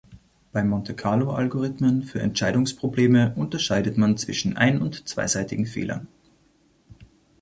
Bei Monte-Carlo-Algorithmen für Entscheidungsprobleme unterscheidet man zwischen ein- und zweiseitigen Fehlern.